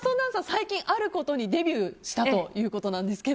最近、あることにデビューしたということですが。